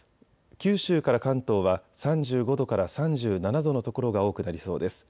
九州から関東は３５度から３７度の所が多くなりそうです。